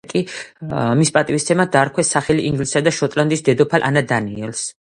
მის პატივსაცემად დაარქვეს სახელი ინგლისისა და შოტლანდიის დედოფალ ანა დანიელს.